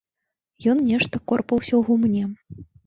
Ён нешта корпаўся ў гумне.